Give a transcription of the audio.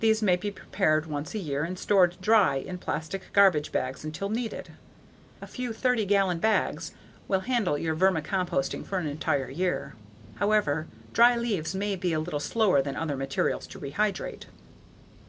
These may be prepared once a year and stored dry in plastic garbage bags until needed. A few 30 gallon bags will handle your vermicomposting for an entire year. However, dry leaves may be a little slower than other materials to rehydrate.